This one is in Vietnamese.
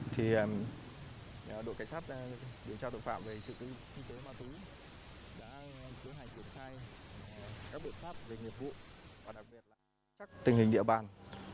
thì đội cảnh sát điều tra tội phạm về sự tư vấn ma túy đã thực hành triển khai các bộ pháp về nghiệp vụ